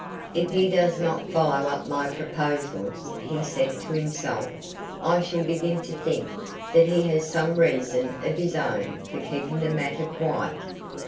"If he does not follow up my proposals," he said to himself, "I shall begin to think that he has some reason of his own for keeping the matter quiet."